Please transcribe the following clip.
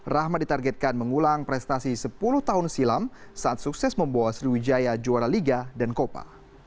rahmat ditargetkan mengulang prestasi sepuluh tahun silam saat sukses membawa sriwijaya juara liga dan kopa